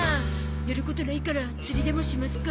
やることないから釣りでもしますか。